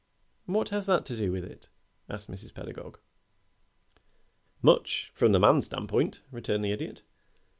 "What has that to do with it?" asked Mrs. Pedagog. "Much from the man's stand point," returned the Idiot.